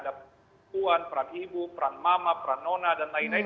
ada perempuan peran ibu peran mama peran nona dan lain lain